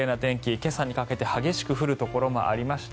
今朝にかけて激しく降るところもありました。